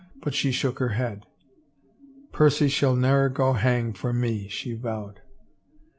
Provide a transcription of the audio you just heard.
But she shook her head. '" Percy shall ne'er go hang for me," she vowed.